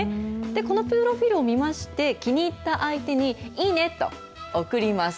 このプロフィールを見まして、気に入った相手に、いいねと送ります。